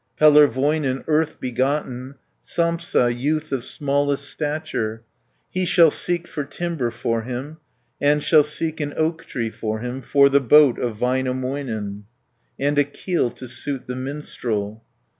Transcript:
Pellervoinen, earth begotten, Sampsa, youth of smallest stature, He shall seek for timber for him, And shall seek an oak tree for him. For the boat of Väinämöinen, And a keel to suit the minstrel.